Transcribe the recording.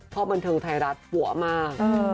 พ่อบันเทิงไทยรัฐป่วงมาก